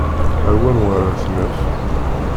Ar wanwa ara t-naf?